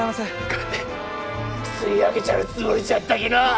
金吸い上げちゃるつもりじゃったきのう！